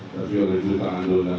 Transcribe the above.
tapi berhutang doa